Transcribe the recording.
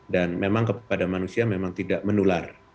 dan memang kepada manusia memang tidak menular